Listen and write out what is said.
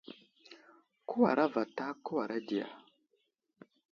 Kəwara vatak ,kəwara di ya ?